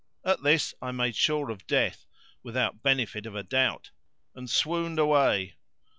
At this I made sure of death (without benefit of a doubt) and swooned away.